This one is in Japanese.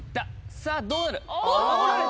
さぁどうなる？